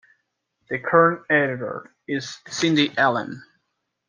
The current editor is Cindy Allen.